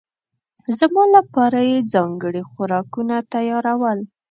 زما لپاره یې ځانګړي خوراکونه تيارول.